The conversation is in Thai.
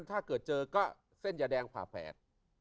ถ้าเกิดเจอก็เส้นยาแดงผ่าแฝด